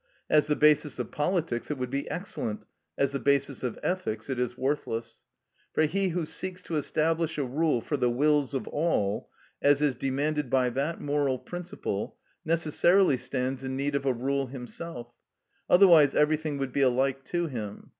As the basis of politics it would be excellent, as the basis of ethics it is worthless. For he who seeks to establish a rule for the wills of all, as is demanded by that moral principle, necessarily stands in need of a rule himself; otherwise everything would be alike to him.